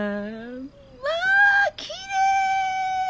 まあきれい！